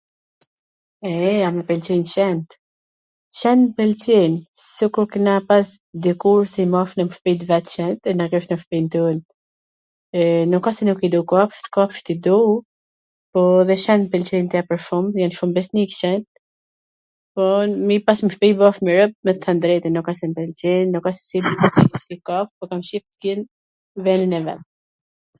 Eee, a mw pwlqejn qent? Qent m pwlqejn si kur kena pas dikur se i mbajshim fmijt veCan e na kishna n shtpin ton, eee, nuk a se nuk i du kafsht, kafsht i du, po dhe qent m pwlqejn tepwr shum, jan shum besnik qent, po me i pas n shpi bashk me robt me t thwn t drejtwn nuk asht se nuk mw pwlqejn, nuk asht se ... po kam qef tw ken venin e vet.